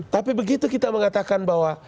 tapi begitu kita mengatakan bahwa